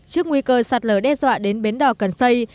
trước nguy cơ sạt lở đe dọa đến bến đỏ cần xây